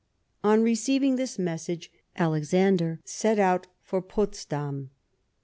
On receiving this message Alexander set out for Potsdam.